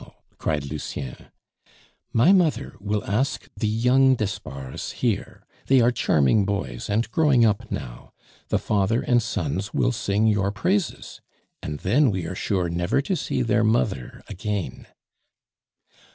cried Lucien. "My mother will ask the young d'Espards here; they are charming boys, and growing up now. The father and sons will sing your praises, and then we are sure never to see their mother again."